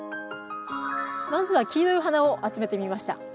まずは黄色いお花を集めてみました。